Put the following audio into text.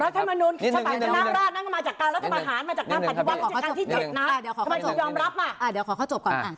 รัฐธรรมนุนคือชะตากรราชนั่งมาจากการรัฐธรรมหาญมาจากการปฏิวัติวัติการที่๗นะ